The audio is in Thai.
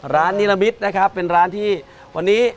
นิรมิตรนะครับเป็นร้านที่วันนี้